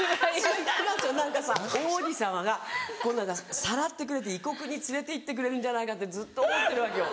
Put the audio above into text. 何かさ王子様がさらってくれて異国に連れて行ってくれるんじゃないかってずっと思ってるわけよ。